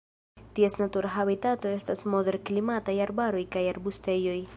Ties natura habitato estas moderklimataj arbaroj kaj arbustejoj.